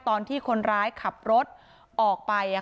ตอนที่คนร้ายขับรถออกไป